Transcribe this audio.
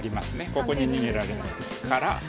ここに逃げられないですから。